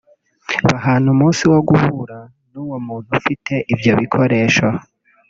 bahana umunsi wo guhura n'uwo muntu ufite ibyo bikoresho